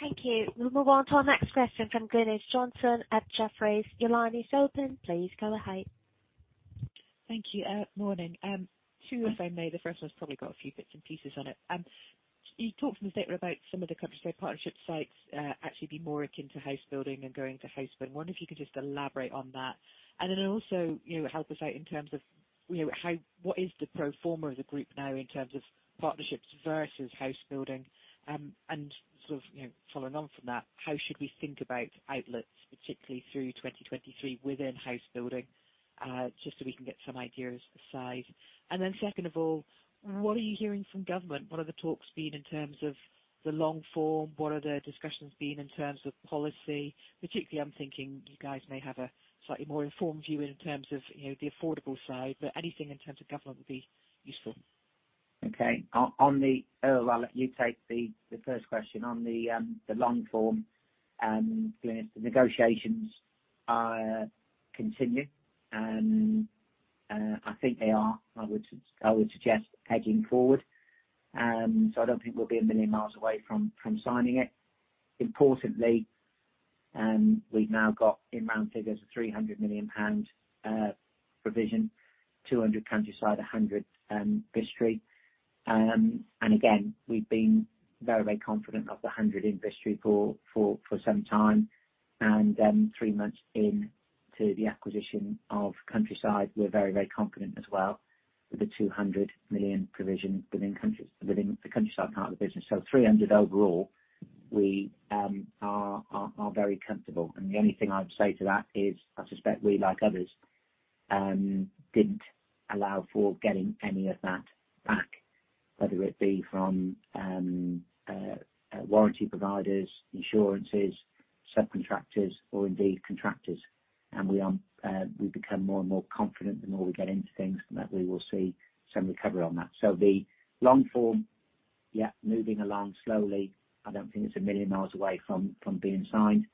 Thank you. We'll move on to our next question from Glynis Johnson at Jefferies. Your line is open. Please go ahead. Thank you. Morning. Two if I may. The first one's probably got a few bits and pieces on it. You talked in the statement about some of the Countryside Partnerships sites, actually being more akin to housebuilding and going to housebuilding. I wonder if you could just elaborate on that. Then also, you know, help us out in terms of, you know, what is the pro forma of the group now in terms of partnerships versus housebuilding? Sort of, you know, following on from that, how should we think about outlets, particularly through 2023 within housebuilding? Just so we can get some idea of the size. Then second of all, what are you hearing from government? What are the talks been in terms of the long form? What are the discussions been in terms of policy? Particularly, I'm thinking you guys may have a slightly more informed view in terms of, you know, the affordable side, but anything in terms of government would be useful. Okay. On, on the, well, I'll let you take the first question. On the long form, Glynis, the negotiations are continuing, and I think they are, I would, I would suggest edging forward. I don't think we'll be a million miles away from signing it. Importantly, we've now got in round figures a 300 million pound provision, 200 million Countryside, 100 million Vistry. Again, we've been very, very confident of the 100 million in Vistry for some time. Troo months in to the acquisition of Countryside, we're very, very confident as well with the 200 million provision within the Countryside part of the business. 300 million overall, we are very comfortable. The only thing I'd say to that is I suspect we, like others, didn't allow for getting any of that back, whether it be from warranty providers, insurances, subcontractors or indeed contractors. We've become more and more confident the more we get into things that we will see some recovery on that. The long form, yeah, moving along slowly. I don't think it's 1 million miles away from being signed.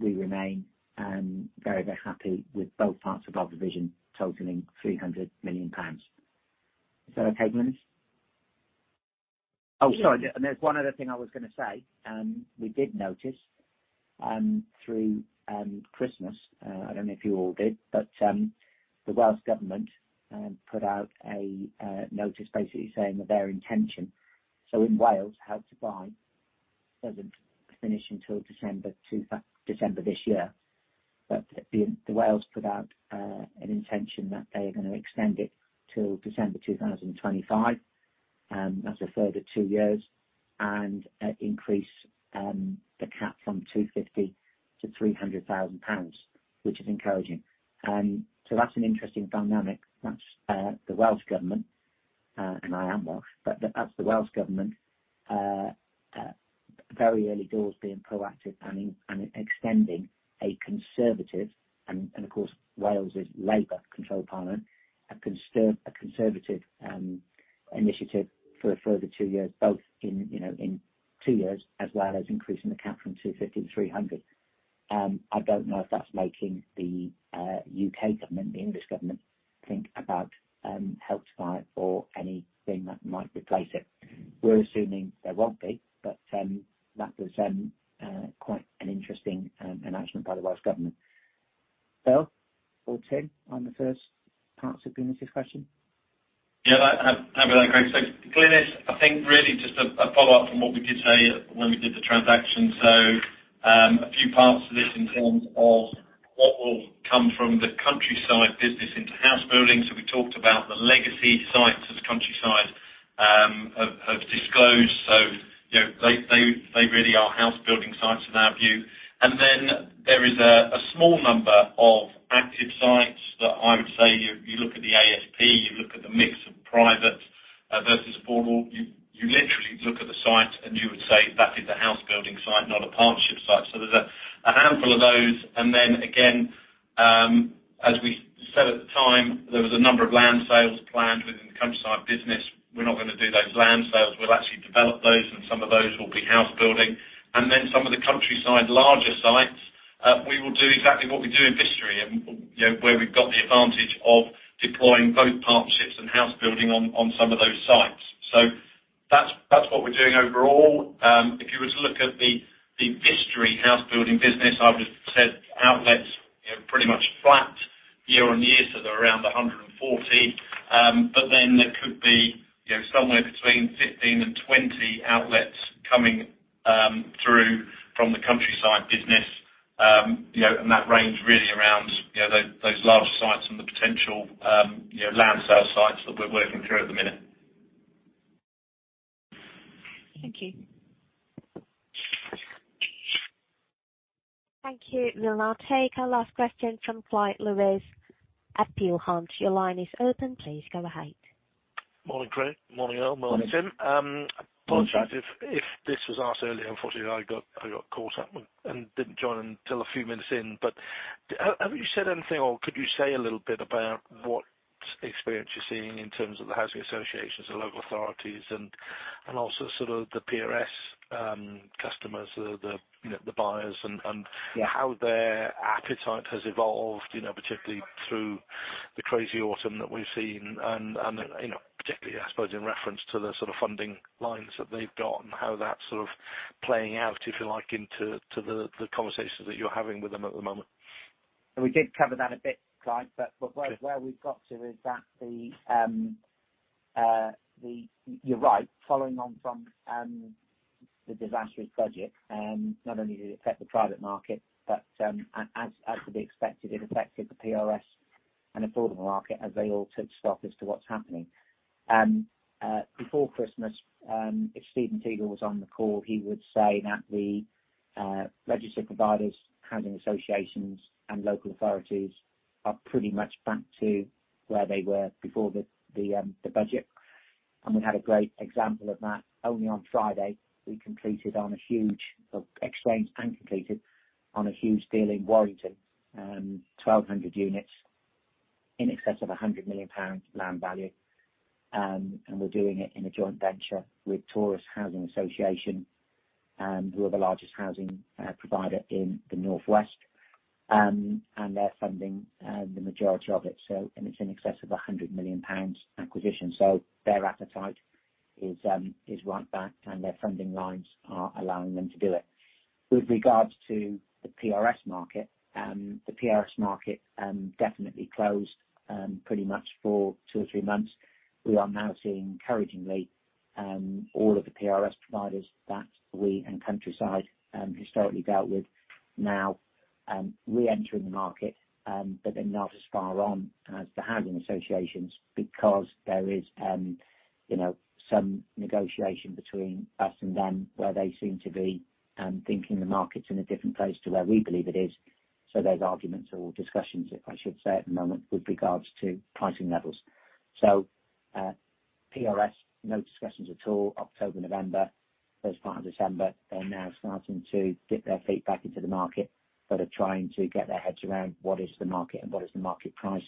We remain very, very happy with both parts of our provision totaling 300 million pounds. Is that okay, Glynis? Oh, sorry. There's one other thing I was gonna say, we did notice through Christmas, I don't know if you all did, but the Welsh Government put out a notice basically saying of their intention. In Wales, Help to Buy doesn't finish until December this year. The Wales put out an intention that they are gonna extend it till December 2025, that's a further two years and increase the cap from 250 to 300,000 pounds, which is encouraging. That's an interesting dynamic. That's the Welsh Government, and I am Welsh, but that's the Welsh Government very early doors being proactive and in extending a conservative and of course, Wales is Labour controlled parliament, a conservative initiative for a further two years, both in, you know, in two years, as well as increasing the cap from 250 to 300. I don't know if that's making the U.K. government, the English government, think about Help to Buy or anything that might replace it. We're assuming there won't be, but that was quite an interesting announcement by the Welsh Government. Earl or Tim on the first parts of Glynis' question. Yeah, I, have at it, Greg. Glynis, I think really just a follow-up from what we did say when we did the transaction. A few parts to this in terms of what will come from the Countryside business into house building. We talked about the legacy sites as Countryside, have disclosed. You know, they, they really are house building sites in our view. There is a small number of active sites that I would say you look at the ASP, you look at the mix of private, versus affordable. You, you literally look at the site and you would say, "That is a house building site, not a partnership site." There's a handful of those. Again, as we said at the time, there was a number of land sales planned within the Countryside business. We're not gonna do those land sales. We'll actually develop those, and some of those will be house building. Some of the Countryside larger sites, we will do exactly what we do in Vistry and, you know, where we've got the advantage of deploying both partnerships and house building on some of those sites. That's what we're doing overall. If you were to look at the Vistry house building business, I would've said outlets, you know, pretty much flat year-on-year, they're around 140. There could be, you know, somewhere between 15 and 20 outlets coming through from the Countryside business. You know, that range really around, you know, those large sites and the potential, you know, land sale sites that we're working through at the minute. Thank you. Thank you. We'll now take our last question from Clyde Lewis at Peel Hunt. Your line is open. Please go ahead. Morning, Greg. Morning, Earl. Morning, Tim. Morning. Apologize if this was asked earlier. Unfortunately, I got caught up and didn't join until a few minutes in. Have you said anything or could you say a little bit about what experience you're seeing in terms of the housing associations and local authorities and also sort of the PRS customers, the, you know, the buyers and. Yeah. How their appetite has evolved, you know, particularly through the crazy autumn that we've seen and, you know, particularly I suppose in reference to the sort of funding lines that they've got and how that's sort of playing out, if you like, into, to the conversations that you're having with them at the moment. We did cover that a bit, Clyde, but where we've got to is that. You're right, following on from the disastrous budget, not only did it affect the private market, but as would be expected, it affected the PRS and affordable market as they all took stock as to what's happening. Before Christmas, if Stephen Teagle was on the call, he would say that the registered providers, housing associations and local authorities are pretty much back to where they were before the budget. We had a great example of that only on Friday. We completed on a huge or exchanged and completed on a huge deal in Warrington, 1,200 units in excess of 100 million pounds land value. We're doing it in a joint venture with Torus Housing Association, who are the largest housing provider in the northwest. They're funding the majority of it. It's in excess of a 100 million pounds acquisition. Their appetite is right back and their funding lines are allowing them to do it. With regards to the PRS market, the PRS market definitely closed pretty much for two or three months. We are now seeing encouragingly all of the PRS providers that we and Countryside historically dealt with now reentering the market. They're not as far on as the housing associations because there is, you know, some negotiation between us and them where they seem to be thinking the market's in a different place to where we believe it is. There's arguments or discussions, if I should say at the moment, with regards to pricing levels. PRS, no discussions at all. October, November, first part of December, they're now starting to dip their feet back into the market, but are trying to get their heads around what is the market and what is the market price.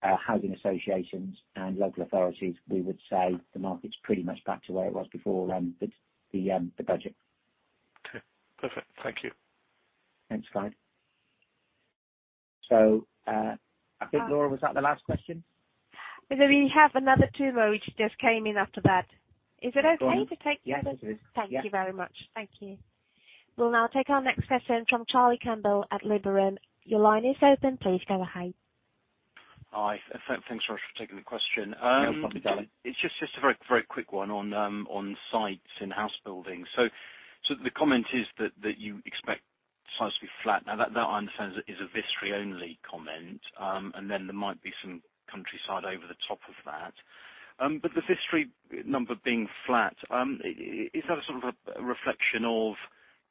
Housing associations and local authorities, we would say the market's pretty much back to where it was before the budget. Okay, perfect. Thank you. Thanks, Clyde. I think Laura, was that the last question? We have another two which just came in after that. Is it okay to take those? Yes, it is. Yeah. Thank you very much. Thank you. We'll now take our next question from Charlie Campbell at Liberum. Your line is open. Please go ahead. Hi. Thanks very much for taking the question. No problem, Charlie. It's just a very, very quick one on sites and house building. The comment is that you expect sites to be flat. That I understand is a Vistry only comment. There might be some Countryside over the top of that. The Vistry number being flat, is that a sort of a reflection of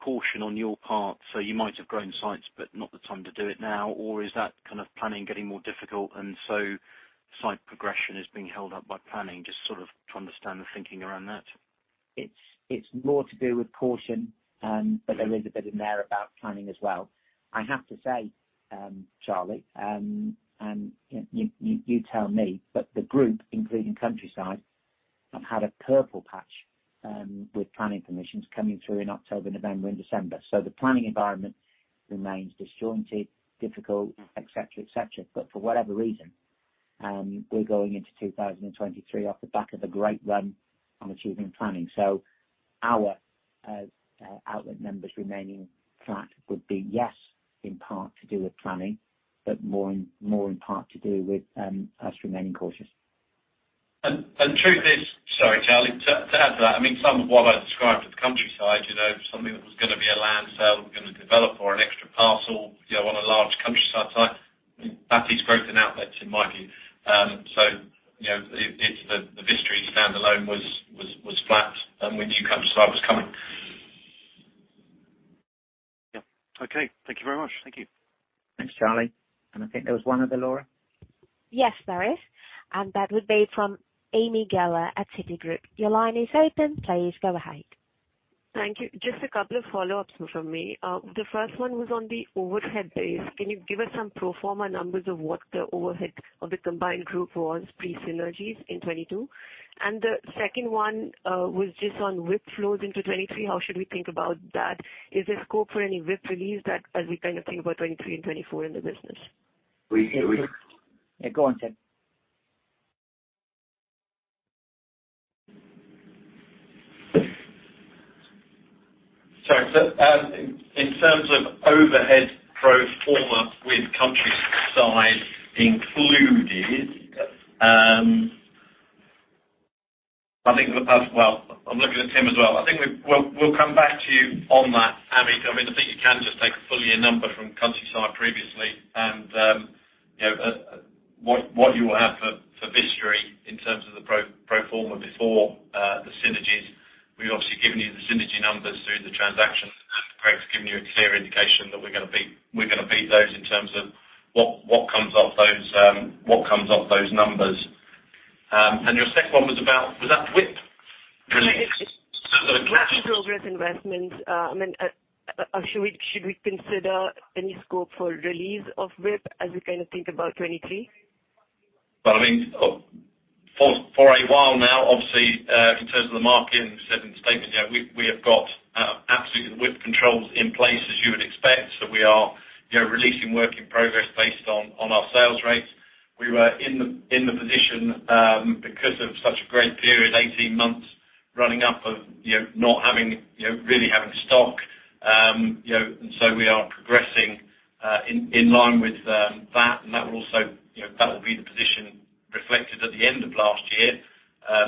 caution on your part? You might have grown sites, but not the time to do it now? Is that kind of planning getting more difficult and site progression is being held up by planning? Just sort of to understand the thinking around that. It's more to do with caution, but there is a bit in there about planning as well. I have to say, Charlie, and you tell me, but the group, including Countryside, have had a purple patch with planning permissions coming through in October, November and December. The planning environment remains disjointed, difficult, et cetera, et cetera. For whatever reason, we're going into 2023 off the back of a great run on achieving planning. Our outlet members remaining flat would be, yes, in part to do with planning, but more in part to do with us remaining cautious. Truth is. Sorry, Charlie. To add to that, I mean some of what I described with Countryside, you know, something that was gonna be a land sale that we're gonna develop or an extra parcel, you know, on a large Countryside site, I mean, that is growth in outlets in my view. You know, it's the Vistry standalone was flat and we knew Countryside was coming. Yeah. Okay. Thank you very much. Thank you. Thanks, Charlie. I think there was one other, Laura. Yes. There is, and that would be from Ami Galla at Citigroup. Your line is open. Please go ahead. Thank you. Just a couple of follow-ups from me. The first one was on the overhead base. Can you give us some pro forma numbers of what the overhead of the combined group was pre-synergies in 2022? The second one was just on WIP flows into 2023. How should we think about that? Is there scope for any WIP release as we kind of think about 2023 and 2024 in the business? We. Yeah, go on, Tim. Sorry. In terms of overhead pro forma with Countryside included, I think in the past. Well, I'm looking at Tim Lawlor as well. I think we'll come back to you on that, Ami Galla. I mean, I think you can just take a full year number from Countryside previously. You know, what you will have for Vistry in terms of the pro forma before the synergies, we've obviously given you the synergy numbers through the transaction, and Greg's given you a clear indication that we're gonna beat those in terms of what comes off those, what comes off those numbers. Your second one was about, was that WIP release? WIP progress investments. I mean, should we consider any scope for release of WIP as we kind of think about 23? Well, I mean, for a while now, obviously, in terms of the market and we said in the statement, you know, we have got absolutely the WIP controls in place as you would expect. We are, you know, releasing work in progress based on our sales rates. We were in the position because of such a great period, 18 months running up of, you know, not having, you know, really having stock. You know, we are progressing in line with that will also, you know, that will be the position. Reflected at the end of last year,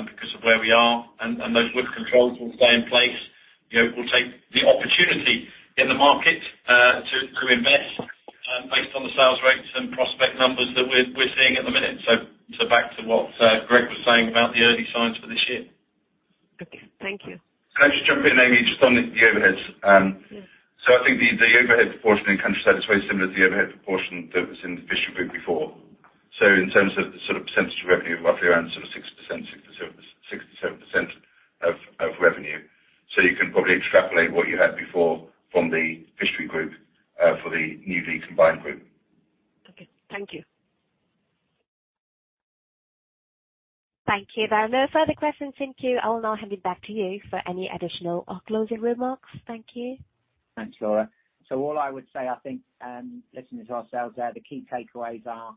because of where we are and those risk controls will stay in place. You know, we'll take the opportunity in the market to invest, based on the sales rates and prospect numbers that we're seeing at the minute. Back to what Greg was saying about the early signs for this year. Okay. Thank you. Can I just jump in, Ami, just on the overheads. Yes. I think the overhead proportion in Countryside is very similar to the overhead proportion that was in the Vistry Group before. In terms of the sort of % of revenue, roughly around sort of 60%, 67% of revenue. You can probably extrapolate what you had before from the Vistry Group for the newly combined group. Okay. Thank you. Thank you. There are no further questions in queue. I will now hand it back to you for any additional or closing remarks. Thank you. Thanks, Laura. All I would say, I think, listening to ourselves there, the key takeaways are,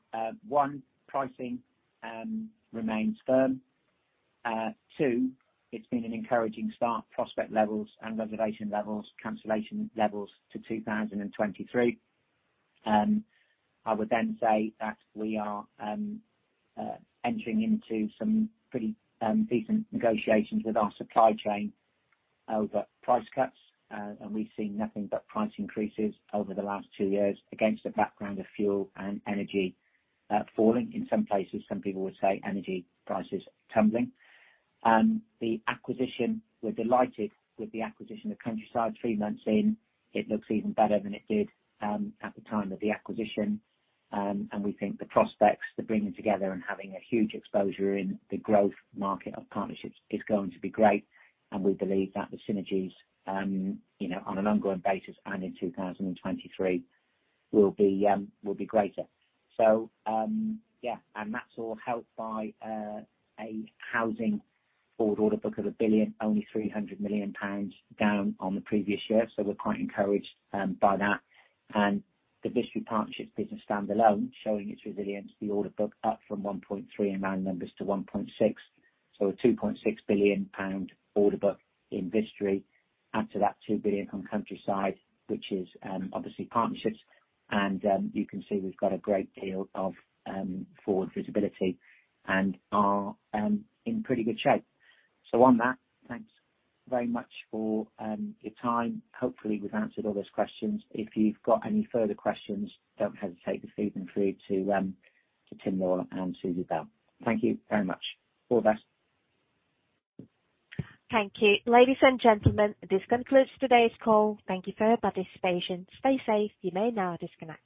one, pricing, remains firm. Two it's been an encouraging start. Prospect levels and reservation levels, cancellation levels to 2023. I would then say that we are entering into some pretty decent negotiations with our supply chain over price cuts. We've seen nothing but price increases over the last two years against a background of fuel and energy, falling in some places, some people would say energy prices tumbling. The acquisition, we're delighted with the acquisition of Countryside. Three months in, it looks even better than it did at the time of the acquisition. We think the prospects, the bringing together and having a huge exposure in the growth market of partnerships is going to be great, and we believe that the synergies, you know, on an ongoing basis and in 2023 will be greater. Yeah. That's all helped by a housing forward order book of 1 billion, only 300 million pounds down on the previous year. We're quite encouraged by that. The Vistry Partnerships business standalone showing its resilience. The order book up from 1.3 in round numbers to 1.6. A 2.6 billion pound order book in Vistry. Add to that 2 billion from Countryside, which is obviously Partnerships and you can see we've got a great deal of forward visibility and are in pretty good shape. On that, thanks very much for your time. Hopefully, we've answered all those questions. If you've got any further questions, don't hesitate to feed them through to Tim Norwell and Susie Bell. Thank you very much. All the best. Thank you. Ladies and gentlemen, this concludes today's call. Thank you for your participation. Stay safe. You may now disconnect.